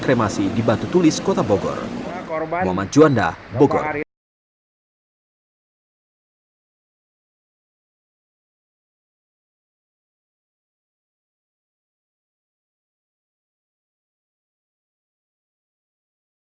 freshman klinis berhias di banding belakang badan dengan jg siang yang membagi yg berbeda